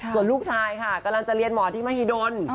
ส่วนลูกชายค่ะกำลังจะเรียนหมอที่มหิดล